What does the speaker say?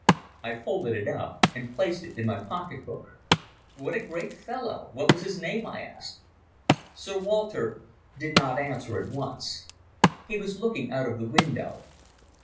I folded it up and placed it in my pocket book. "What a great fellow! What was his name?" I asked. Sir Walter did not answer at once. He was looking out of the window.